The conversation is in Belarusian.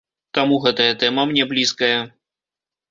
Таму гэтая тэма мне блізкая.